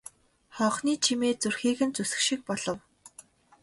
Хонхны чимээ зүрхийг нь зүсэх шиг болов.